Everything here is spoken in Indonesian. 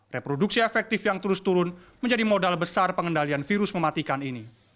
reproduksi efektif yang terus turun menjadi modal besar pengendalian virus mematikan ini